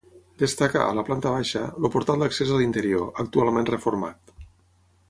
Destaca, a la planta baixa, el portal d'accés a l'interior, actualment reformat.